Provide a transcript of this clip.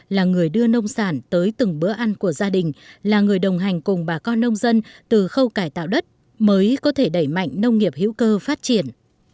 là người đưa nông sản tới từng bữa ăn của gia đình là người đồng hành cùng bà con nông dân từ khâu cải tạo đất mới có thể đẩy mạnh nông nghiệp hữu cơ phát triển